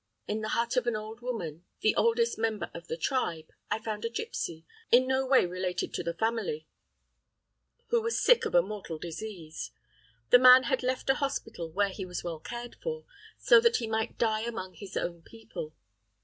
In the hut of an old woman, the oldest member of the tribe, I found a gipsy, in no way related to the family, who was sick of a mortal disease. The man had left a hospital, where he was well cared for, so that he might die among his own people.